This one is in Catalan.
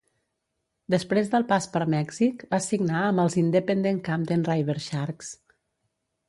Després del pas per Mèxic, va signar amb els Independent Camden Riversharks.